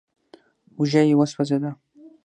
اوږه يې وسوځېده.